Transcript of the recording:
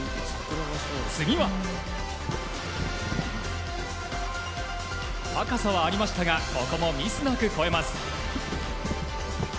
次は、高さはありましたがここもミスなく越えます。